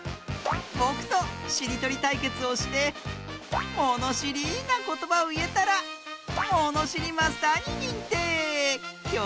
ぼくとしりとりたいけつをしてものしりなことばをいえたらもにしりマスターににんてい！